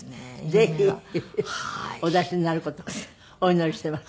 ぜひお出しになる事をお祈りしています。